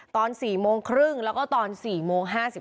ตอน๔โมงครึ่งแล้วก็ตอน๔โมง๕๓